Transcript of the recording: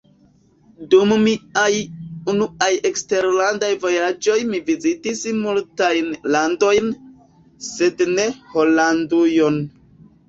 Dum miaj unuaj eksterlandaj vojaĝoj mi vizitis multajn landojn, sed ne Holandujon.